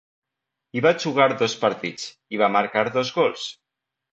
Hi va jugar dos partits, i va marcar dos gols.